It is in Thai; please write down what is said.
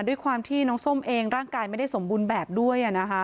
ด้วยความที่น้องส้มเองร่างกายไม่ได้สมบูรณ์แบบด้วย